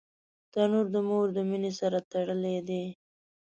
تنور د مور د مینې سره تړلی دی